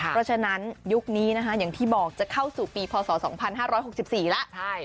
เพราะฉะนั้นยุคนี้นะคะอย่างที่บอกจะเข้าสู่ปีพศ๒๕๖๔แล้ว